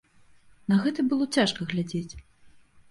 На гэта было цяжка глядзець.